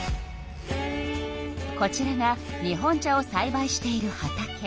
こちらが日本茶をさいばいしている畑。